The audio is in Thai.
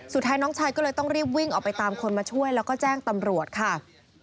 สุดท้ายน้องชายก็เลยต้องรีบวิ่งออกไปตามคนมาช่วยแล้วก็แจ้งตำรวจค่ะ